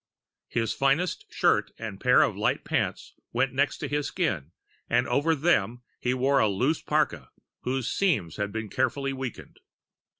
His finest shirt and pair of light pants went next to his skin, and over them he wore a loose parka whose seams had been carefully weakened.